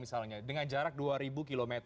misalnya dengan jarak dua ribu km